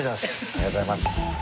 ありがとうございます。